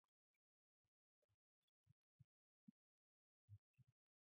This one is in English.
It is based on the play of the same name by Pierre Corneille.